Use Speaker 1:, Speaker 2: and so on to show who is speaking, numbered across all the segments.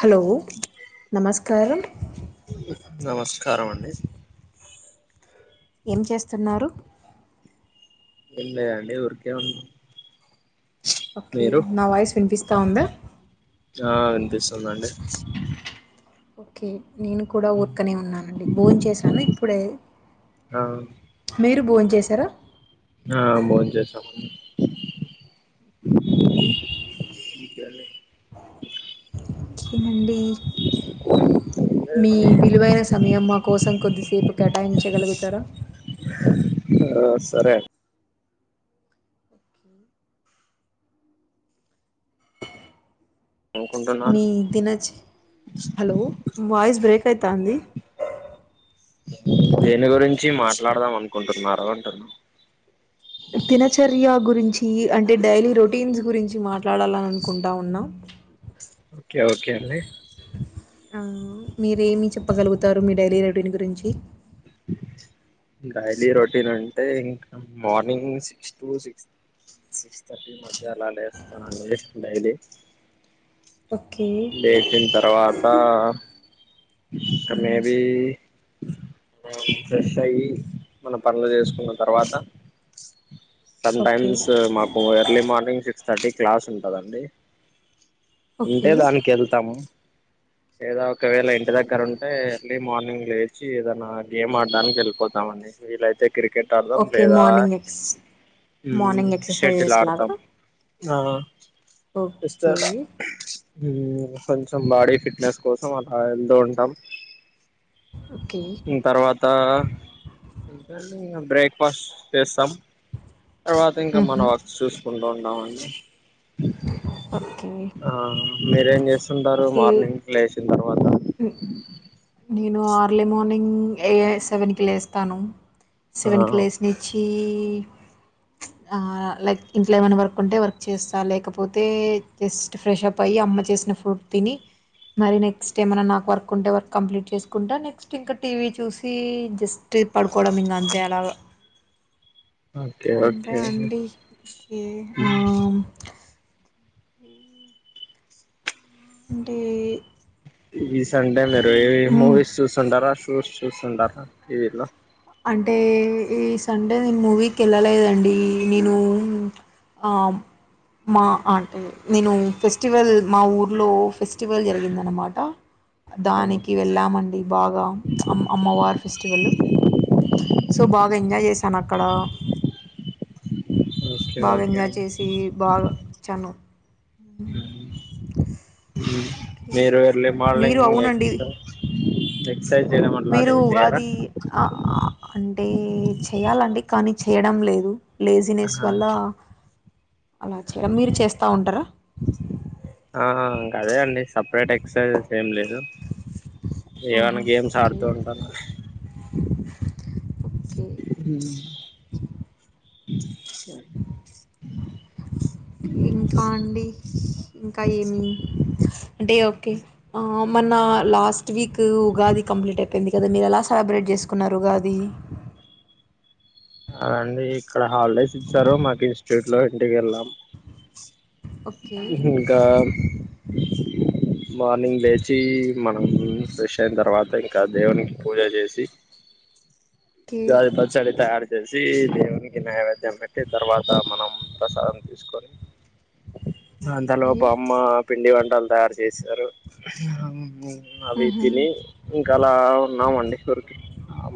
Speaker 1: Hello నమస్కారం
Speaker 2: కారం అండి
Speaker 1: ఏం చేస్తున్నారు
Speaker 2: ఏం లేదండి ఊరికే ఉన్నా
Speaker 1: ఓకే
Speaker 2: మీరు
Speaker 1: నా వాయిస్ వినిపిస్తూ త ఉందా
Speaker 2: ఆ వినిస్తుంద అండి
Speaker 1: కే నేను కూడా ఊరుకనే ఉన్నానండి భోం చేసాను ఇప్పుడే
Speaker 2: ఆ
Speaker 1: మీరు భోం చ చేసారా
Speaker 2: ఆ భోన్ చేసామండి
Speaker 1: మ్మ్
Speaker 2: [unintelligible]
Speaker 1: ఏమండి మీ విలువైన సమయం మా కోసం కొద్దిసేపు కేటాయించ గలుగుతారా
Speaker 2: ఆ సరే అనుకుంటున్నారు
Speaker 1: మీ దీనజ్ హలో వాయిస్ బ్రేక్ అయ్యితంది
Speaker 2: దేని గురించి మాట్లాడదాం అనుకుంటున్నారు అంటున్నా
Speaker 1: దినచర్య గురిం చీ అంటే డైలీ రొటీన్స్ గురించి మాట్లాడాలని అనుకుంటా ఉన్నాం
Speaker 2: ఓకే ఓకే అండి
Speaker 1: అ మీరేమి చెప్పగలుగుతారు మీ డైరీ రెటీన్ గురించి
Speaker 2: డైలీ రొటీన్ అంటే ఇంకా, morning six to six six thirty మధ్య అలా లేస్తానండి డైలీ
Speaker 1: ఓకే
Speaker 2: లేేచిన తర్వాత ఇంకా మే
Speaker 1: మ్మ్
Speaker 2: బి ఫ్రెష్ అయి మన పనులు చేసుకున్న తర్వాత స
Speaker 1: ఓకే
Speaker 2: టైమ్స్ మాకు early morning six thirty class ఉంటందండి
Speaker 1: ఓకే
Speaker 2: ఉంటే దానికి వెళ్తాము ఏదా ఒక ఇంటి దగ్గర ఉంటే ఎర్లీ మార్నింగ్ లేచి ఏదైనా గేమ్ ఆడడానికి వెళ్ళిపోతామండి వీలైతే క్రికెట్ ఆడతాం
Speaker 1: ఓకే
Speaker 2: లేదా
Speaker 1: మార్నింగ్ ఎక్స్
Speaker 2: మ్
Speaker 1: మార్నింగ్
Speaker 2: షటిల్
Speaker 1: ఎక్సర్సైజెస్
Speaker 2: ఆడతాం
Speaker 1: లాగా
Speaker 2: ఆ
Speaker 1: ఓకే
Speaker 2: సిస్టర్ కొంచెం బాడీ ఫిట్నెస్ కోసం అలా ఉంటాం
Speaker 1: ఓకే
Speaker 2: తర్వాత బ్రేక్ఫాస్ట్ చేస్తాం తర్వాత ఇంకా
Speaker 1: మ్మ్
Speaker 2: మనం
Speaker 1: హ్మ్
Speaker 2: అ చూసుకుంటాం బాగునవండి
Speaker 1: ఓకే
Speaker 2: ఆ మీరేం చేస్తుంటారు మార్నింగ్ లేసిన్ తర్వాత
Speaker 1: హ్మ్ నేను ఆర్లీ మార్నింగ్ ఏ సెవెన్కి లేస్తాను సెవెన్కి
Speaker 2: ఆ
Speaker 1: లేసినీచి ఈ ప్చ్ ఆ లైక్ ఇంకా ఏమైనా వర్క్ ఉంటే వర్క్ చేస్తా లేకపోతే జస్ట్ ఫ్రెష్ప్ అయ్యి అమ్మ చేసిన ఫుడ్ తిని మరీ నెక్స్ట్ ఏమైన్నా నాకు వర్క్ ఉంటే వర్క్ కంప్లీట్ చేసుకుంటా నెక్స్ట్ ఇంక టీవీ చూసీ జస్ట్ పడుకోవడం ఇంకా అంతే అలాగా
Speaker 2: ఓకే
Speaker 1: అంతే
Speaker 2: ఓకే
Speaker 1: అండిీ కే ఆమ్ ఉమ్ అంటే
Speaker 2: ఈ సండే మీరేమ్
Speaker 1: మ్,
Speaker 2: మూవీస్ చూస్తుంటారో న్యూస్చూంటార టీవీలో
Speaker 1: అంటే ఈ సండే నేను మూవీకి కెళ్ళలేదండి నేను మా మా అంటే నేను ఫెస్టివల్ మా ఊర్లో ఫెస్టివల్ జరిగిందన్నమాట దానికి వెళ్ళామండి బాగా అమ్ అమ్మవారు ఫెస్టివల్ సోబాగా ఎంజయ్ చేశాను అక్కడ
Speaker 2: ఓకే
Speaker 1: బాగా
Speaker 2: ఓకే
Speaker 1: ఎంజాయ్
Speaker 2: అండి
Speaker 1: చేసీ బాగా వచ్చాను
Speaker 2: హ్మ్ హ్మ్
Speaker 1: ఓకే
Speaker 2: మీరు ఎర్లీ
Speaker 1: మీరు
Speaker 2: మార్లింగ్
Speaker 1: అవునండి
Speaker 2: ఎక్స ఎక్సర్సైజ్ చేయడం
Speaker 1: మీరు
Speaker 2: అట్లాంటివి చేయరా
Speaker 1: ఉగాది అంటే చెయాలండి కానీ చేయడం లేదు లేజీనెస్
Speaker 2: ఆహా
Speaker 1: వల్ల అలా చే మీరు చేస్తా ఉంటారా
Speaker 2: ఆ అదేఅండి సప్రేట్ ఎక్ససైజెస్ ఏం లేదు
Speaker 1: ఆహా!
Speaker 2: ఏమన్నా గేమ్స్
Speaker 1: ఓకే.
Speaker 2: ఆడుతూ ఉంటాను
Speaker 1: ఓకే.
Speaker 2: హమ్ - [inaudible]
Speaker 1: ఇంకా అండి ఇంకా ఏమి అంటే ఓకే మొన్న లాస్ట్ వీక్ ఉగాది కంప్లీట్ అయిపోయింది కదా మీరు ఎలా సెలబ్రేట్ చేసుకున్నారు ఉగాది
Speaker 2: అండి ఇక్కడ హాల్డేస్ సరో మాకి ఇన్స్టట్ లో ఇంటికి ఎలేమ్
Speaker 1: ఓకే.
Speaker 2: ఇంకా మార్నింగ్ లేచి మనం హామ్ ఫ్రెష్ అయిన తర్వాత ఇంకా దేవునికి పూజ చేసి
Speaker 1: ఓకే.
Speaker 2: ఉగాది పచ్చడి తయారీ తెల్సి దేవునికి నైవేద్యం పెట్టి తర్వాత మనం ప్రసాదం తీసుకొని [inaudible] అంతలో
Speaker 1: ఓకే.
Speaker 2: అమ్మ పిండి వంటలు తయారు చేశారు అవి
Speaker 1: హుహు.
Speaker 2: తిని ఇంకా అలా ఉన్నామండి ఊరికి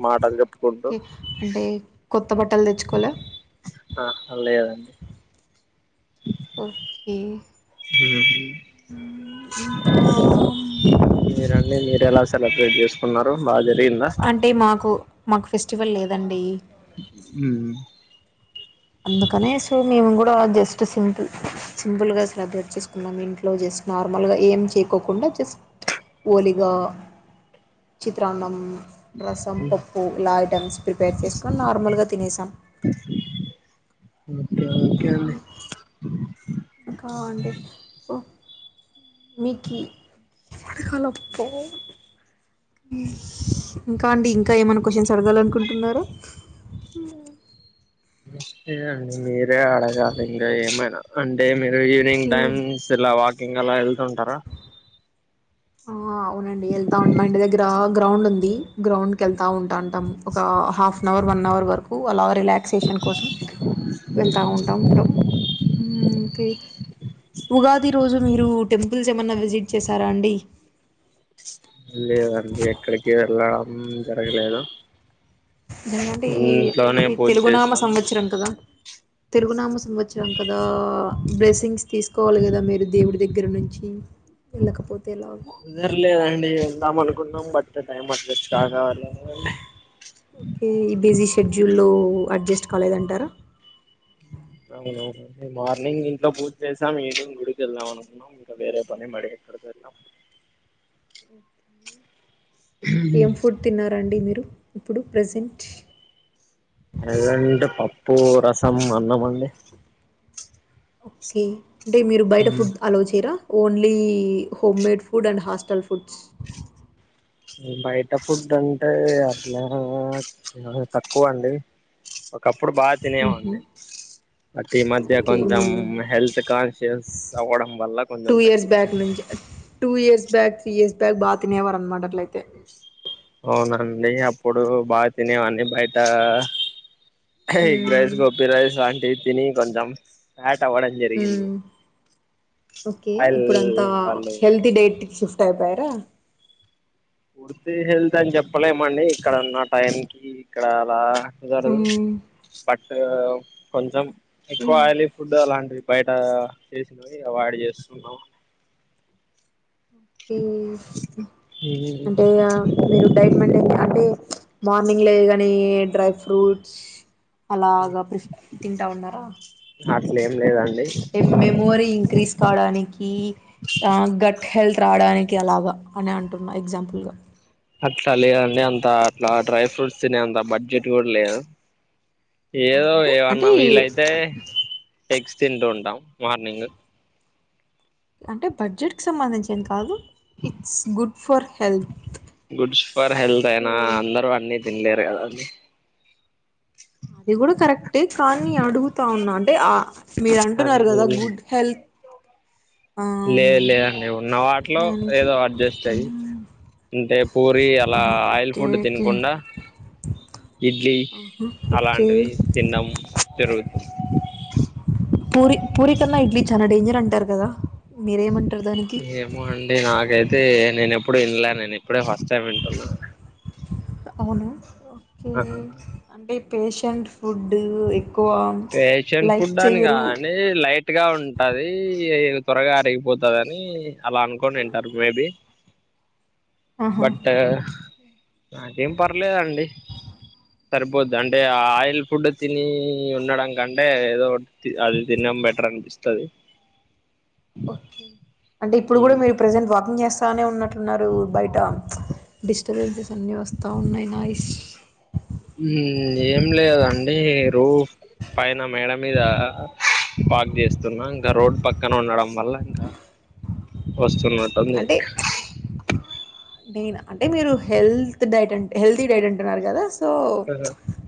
Speaker 2: మాటలు చెప్పుకుంటూ
Speaker 1: ఓకే. అంటే కొత్త బట్టలు తెచ్చుకోవలే
Speaker 2: ఆ లేదండి
Speaker 1: ఓకే
Speaker 2: హ
Speaker 1: హ్మ్. ఇంకా
Speaker 2: మీరన్నీ మీరు ఎలా సెలబ్రేట్ చేసు ఉన్నారు
Speaker 1: అంటే మాకు మాకు ఫెస్టివల్ లేదండి
Speaker 2: మ్మ్
Speaker 1: అందుకనే సో మేము కూడా జస్ట్ సింపుల్ సింపుల్గా సెలబ్రేట్ చేసుకున్నాం ఇంట్లో జస్ట్ నార్మల్గా ఏం చేయకోకుండా జస్ట్ ఓలిగా చిత్రాన్నం రసం పప్పు ఇలా ఐటమ్స్ ప్రిపేర్ చేసుకొని నార్మల్గా తినేసాం
Speaker 2: ఓకే ఓకే అండి
Speaker 1: ఇంకా అండి ఒ మీకి ఇంకాండి ఇ కా ఏమన్న కొషన్స్ అడగాలనుకున్ టున్నారా
Speaker 2: అస్టే అండి మీరే అడగాలి ఇంకా ఏమైనా అన్ టే మీరు ఈవినింగ్
Speaker 1: ఓకే
Speaker 2: టైమ్స్ ఇలా వాక్ ఇంగ అలా ఎళ్తుంటారా
Speaker 1: ఆ అవునండి ఎళ్తా ఉన్న ఇంటి దగ్గర గ్రౌండ్ ఉంది గ్రౌండ్ కెళ్తా ఉంటాన్ తం ఒక హాఫ్ నవర్ వన్ అవర్ వరకు అలాగ రిలాక్సేషన్ కోసం వెళ్తూ ఉంటూ ఉంటాంకే ఉగాది రోజు మీరు టెంపుల్స్ ఏమన్నా విజిట్ చేశారా అండి
Speaker 2: లేదండి ఎక్కడికి ఎళ్ళా మ్మ్ జరగలేదా
Speaker 1: జనకంటే ఈ
Speaker 2: పూజ
Speaker 1: తెలుగునామ
Speaker 2: చేసాం
Speaker 1: సంవత్సరం కదా తెరుగునామ సంవత్సరం కదా బ్లెస్సింగ్స్ తీసుకోవాలి కదా మీరు దేవుడి దగ్గర నుంచి వెళ్ళకపోతే ఎలాగా?
Speaker 2: కుదరలేదండి ఉందాం అనుకుందాం బట్ట టైం అ
Speaker 1: ఓకే ఈ బిజీ షెడ్యూల్ యి అడ్జస్ట్ కాలేదంటారా
Speaker 2: అవునవును మార్నింగ్ ఇంట్లో పూజ చేసాం ఈవినింగ్ గుడికి వెళ్దాం అనుకున్నాం ఇంకా వేరే పని పడి ఎక్కడ వెళ్దం
Speaker 1: ఏం ఫుడ్ తిన్నారండి మీరు ఇప్పు ప్రజెంట్
Speaker 2: ఏదంటే పప్పు రసం అన్నమండి
Speaker 1: ఓకే అంటే మీరు బయట ఫుడ్ అలో చేయరా only home made food and hostel foods
Speaker 2: బయట ఫుడ్ అంటే అట్లా తక్కువ అండి ఒకప్పుడు బాగా తినే
Speaker 1: హుహు.
Speaker 2: వాన్ని బట్ ఈ మధ్య
Speaker 1: ఓకే. మీ
Speaker 2: కొంచెం హెల్త్ కాన్షియస్ అవ్వడం వల్ల కొంచెం
Speaker 1: ఇయర్స్ బ్యాక్
Speaker 2: తగ్గించాను
Speaker 1: నుంచి ఇయర్స్ బ్యాక్, ఇయర్స్ బ్యాక్ బా తినేవారు అన్మాట అట్లైయితే
Speaker 2: అవునండి అప్పుడు బాగా తినేవన్నీ బయట ఎగ్ రైస్
Speaker 1: హ్మ్.
Speaker 2: గోపి రైస్ ఆంటీ తిని కొంచం ఫ్యాట్ అవ్వడం
Speaker 1: ఉ
Speaker 2: జరిగింది
Speaker 1: ఓకే
Speaker 2: ఆయిల్
Speaker 1: ఇప్పుడు అంతా
Speaker 2: వాళ్ళు
Speaker 1: హెల్తీ డైట్ షిఫ్ట్ అయిపోయారా
Speaker 2: పూర్తిగా హెల్త్ అని చెప్పలేమండి ఇక్కడ ఉన్న టైంకి ఇక్కడ అలా కుదరదు
Speaker 1: హ్మ్.
Speaker 2: బట్ కొంచెం ఎక్కువ
Speaker 1: హ్మ్.
Speaker 2: ఆయిలీ ఫుడ్ అలాంటివి బయట చేసినవి అవాయిడ్ చేస్తున్నాము
Speaker 1: ఒకే అంటే ఇగ మీరు డైట్ మెయింటైన్ అంటే మార్ని లేయగానీ డ్రై ఫ్రూట్స్ అలాగా ప్రష్ తింటా ఉన్నారా
Speaker 2: అట్ల ఏం లేదండి
Speaker 1: అంటే మెమోరీ ఇంక్రీజ్ కావడానికి ఆ గట్ హెల్త్ రావడానికి అలాగా అని అంటున్నా ఎగ్జాంపుల్గా
Speaker 2: అట్లా లేదండి అంత అట్లా డ్రై ఫ్రూట్స్ తినే అంత బడ్జెట్ కూడా లేదు ఏదో
Speaker 1: అంటే అంటే
Speaker 2: ఏమన్నా వీలయితే ఎగ్స్ తింటూ ఉంటామ్ మార్నింగ్
Speaker 1: అంటే బడ్జెట్కి సంబంధించి ఏం కాదు it's good for health
Speaker 2: goods for health
Speaker 1: so
Speaker 2: అయినా అందరు అన్నీ తిన్లేరు గద అండి
Speaker 1: అది కూడా కరెక్టే కానీ అడుగుతా ఉన్నా అంటే ఆ మీరు అంటున్నారు
Speaker 2: అది
Speaker 1: కదా గుడ్ హెల్త్ ఆ
Speaker 2: లేదు లేదండి ఉన్న వాటిలో
Speaker 1: దానికి
Speaker 2: ఏదో అడ్జస్ట్ అయ్యి
Speaker 1: మ్మ్.
Speaker 2: అంటే పూరి అలా
Speaker 1: ఆహా
Speaker 2: ఆయిల్
Speaker 1: ఓకే
Speaker 2: ఫుడ్
Speaker 1: ఓకే
Speaker 2: తినకుండా ఇడ్లీ
Speaker 1: ఆహా ఓకే
Speaker 2: అలాంటివి తినడం జరుగుతుంది.
Speaker 1: పూరి పూరి కన్నా ఇడ్లీ చానా డేంజర్ అంటారు కదా మీరేమంట
Speaker 2: ఏమో అండి నాకైతే నేను ఎప్పుడూ వినలే నేను ఎప్పుడే ఫస్ట్ టైమ్ వింటున్నా
Speaker 1: అవును
Speaker 2: ఆహ
Speaker 1: పేషంట్ ఫుడ్డు ఎక్
Speaker 2: పేషెంట్ ఫుడ్ అని కానీ లైట్ గా ఉంటది త్వరగా అరిగిపోతదని అలా అనుకోని ఉంటారు మేబి
Speaker 1: ఆహా
Speaker 2: బట్ నాకేం పర్లేదండి సరిపోద్ది అంటే ఆ ఆయిల్ ఫుడ్ తిని ఉండడం కంటే ఏదో అది తినడం బెటర్ అనిపిస్తుంది
Speaker 1: ఓకే అంటే ఇప్పుడు కూడా మీరు ప్రెజెంట్ వాకింగ్ చేస్త చేస్తానే ఉన్నట్టున్నారు బయట డిస్టర్బెన్సెస్ అన్నీ వస్తా నే ఉన్నాయి నా ఇస్
Speaker 2: ఏం లేదండి రూ పైన మేడ మీద వాక్ చేస్తున్నా ఇంకా రోడ్డు పక్కన ఉండడం వల్ల ఇంకా వస్తు వస్తున్నట్టుంది
Speaker 1: అంటే నేను అంటే మీరు హెల్త్ డైట్ అం హెల్తీ డైట్ అంటున్నారు కదా సో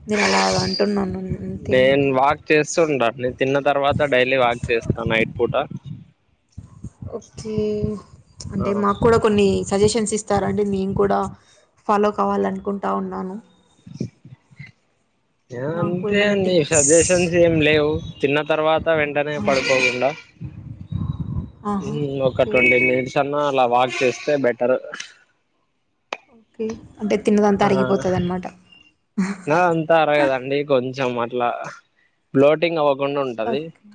Speaker 1: నేను అలా అంటున్నాను అంతే
Speaker 2: నేను వాక్ చేస్తుంటాను నేను తిన్న తర్వాత డైలీ వాక్ చేస్త నైట్ పూట
Speaker 1: ఓకే అంటే మాకు కూడా కొన్ని సజెషన్స్ ఇస్తారండి నేను కూడా ఫాలో కావాలనుకుంటా ఉన్నాను మాకు
Speaker 2: అంతే
Speaker 1: ఏమన్నా
Speaker 2: అండి
Speaker 1: టిప్స్
Speaker 2: సజెషన్స్ ఏమి లేవు తిన్న తర్వాత వెంటనే పడుకోకుండా
Speaker 1: ఆహా
Speaker 2: ఒక
Speaker 1: ఓకే
Speaker 2: ట్వంటీ మినిట్స్ అన్నా అలా వాక్ చేస్తే బెటర్
Speaker 1: ఓకే అంటే తిన్నదంతా అరిగిపోతుంది అన్నమాట
Speaker 2: తిన్నదంతా అరగదండి కొంచ కొంచెం అట్లా ఫ్లోటింగ్ అవ అవ్వకుండా ఉంటది
Speaker 1: ఓకే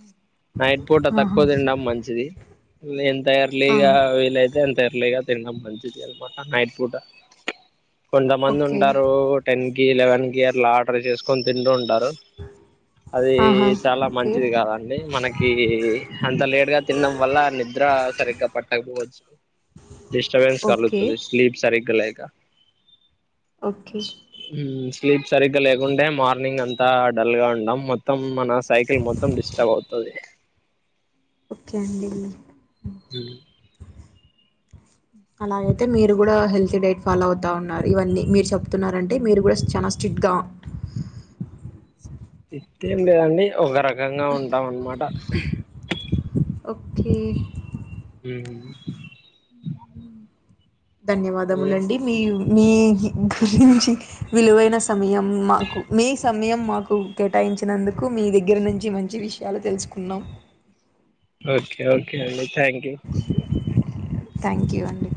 Speaker 2: నైట్ పూట
Speaker 1: ఆహా
Speaker 2: తక్కువ తినడం మంచిది లే అంతా అర్లీ
Speaker 1: ఆ,
Speaker 2: గా వీలైతే అంత ఎర్లీగా తినడం మంచిది అన్నమాట నైట్ పూట కొంతమంది
Speaker 1: ఓకే
Speaker 2: ఉంటారు టెన్ కి ఈ లెవెన్ కి అట్లా ఆర్డర్ చేసుకని తింటూ ఉంటారు ఉంటారు అది
Speaker 1: ఆహా
Speaker 2: చాలా
Speaker 1: ఓకే
Speaker 2: మంచిది కాదండి మనకి అంత లేట్ గా తినడం వల్ల నిద్ర సరిగ్గా పట్టకపోవచ్చు డిస్టర్బన్స్ కాలు
Speaker 1: ఓకే
Speaker 2: తుంది స్లీప్ సారి లేక
Speaker 1: ఓకే
Speaker 2: స్లీప్ సరిగ్గా లేకుంటే మార్నింగ్ అంతా డల్ గా ఉంటం. మొత్తం మన సైకిల్ మొత్తం డిస్టర్బ్ అవుతది.
Speaker 1: ఓకే అండి
Speaker 2: హ్
Speaker 1: అలాగైతే మీరు కూడా హెల్తీ డైట్ ఫాలో అవుత ఉన్నారు. ఇవన్నీ మీరు చెప్తున్నారంటే మీరు కూడా చానా స్ట్రిక్ట్గా
Speaker 2: ఇ త్తెం లేదండి ఒకర గంగా ఉంటాం. ఆన్నమాట
Speaker 1: ఓకే
Speaker 2: హ్
Speaker 1: ధన్యవాదములండి మీర్ మీ గురించి విలువైన సమయం మాకు మీ సమయం మాకు కేటాయించినందుకు మీ దగ్గర నుంచి మంచి విషయాలు తెలుసుకున్నాం.
Speaker 2: ఓకే ఓకే అండి థ్యాంక్ యూ
Speaker 1: థ్యాంక్ యూ అండి